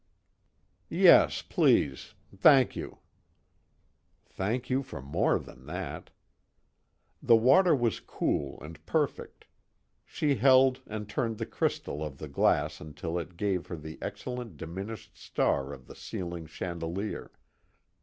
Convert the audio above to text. "Yes, please. Thank you." Thank you for more than that. The water was cool and perfect; she held and turned the crystal of the glass until it gave her the excellent diminished star of the ceiling chandelier.